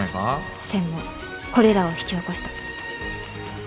せん妄これらを引き起こした。